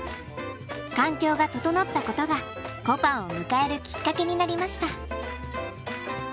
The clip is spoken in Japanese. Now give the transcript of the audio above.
環境が整ったことがこぱんを迎えるきっかけになりました。